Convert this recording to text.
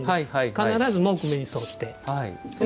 必ず木目に沿って。